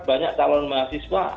banyak calon mahasiswa